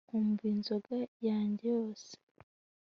nkumbuye inzoga yanjye yose